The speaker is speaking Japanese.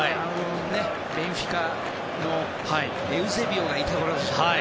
ベンフィカのエウゼビオがいたころですよね。